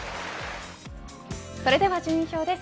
それでは順位表です。